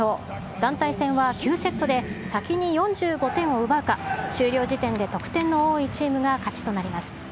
団体戦は９セットで先に４５点を奪うか、終了時点で得点の多いチームが勝ちとなります。